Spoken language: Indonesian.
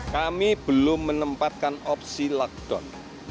kami belum menempatkan opsi lockdown